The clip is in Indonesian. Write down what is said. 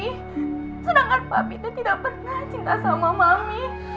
sedangkan papi teh tidak pernah cinta sama mami